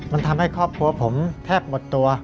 มันทำให้ครอบครัวผมแทบหมดตัว